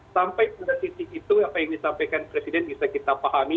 sampai pada titik itu apa yang disampaikan presiden bisa kita pahami